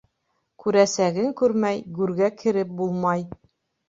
Күрәсәгең күрмәй гүргә кереп булмай.